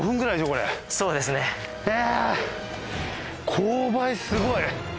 勾配すごい。